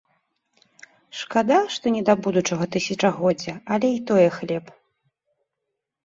Шкада, што не да будучага тысячагоддзя, але і тое хлеб.